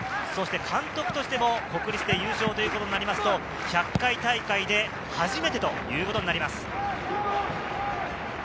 そして監督としても、国立で優勝ということになりますと、１００回大会で初めてということになります。